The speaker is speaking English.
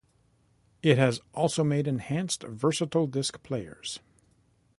It also has made Enhanced Versatile Disc players.